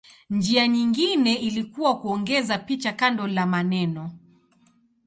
Njia nyingine ilikuwa kuongeza picha kando la maneno.